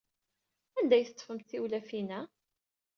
Anda ay d-teḍḍfemt tiwlafin-a?